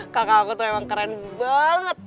kakak aku tuh emang keren banget